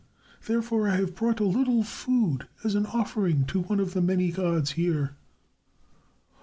"Therefore, I have brought a little food as an offering to one of the many gods here."